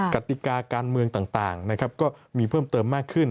กติกาการเมืองต่างนะครับก็มีเพิ่มเติมมากขึ้น